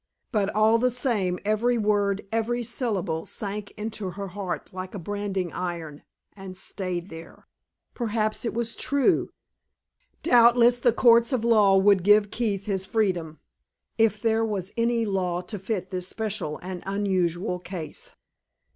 But all the same every word, every syllable, sank into her heart like a branding iron, and stayed there. Perhaps it was true. Doubtless the courts of law would give Keith his freedom, if there was any law to fit this special and unusual case.